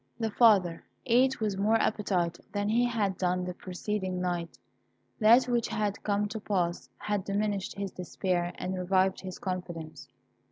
The father ate with more appetite than he had done the preceding night. That which had come to pass had diminished his despair and revived his confidence.